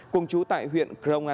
cùng chú tại huyện kroana